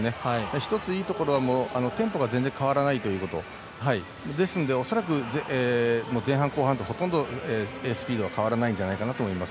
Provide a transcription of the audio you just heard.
１ついいところはテンポが全然変わらないということですので、恐らく前半、後半とスピードは変わらないんじゃないかと思います。